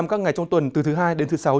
các ngày trong tuần từ thứ hai đến thứ sáu